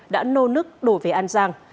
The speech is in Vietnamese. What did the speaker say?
đã nô nức đổ về an giang